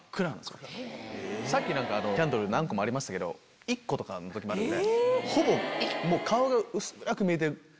さっきはキャンドル何個もありましたけど１個とかの時もあるので。